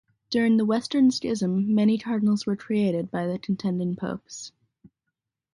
During the Western Schism, many cardinals were created by the contending popes.